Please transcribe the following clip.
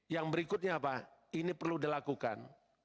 yang berikutnya apa ini perlu dilakukan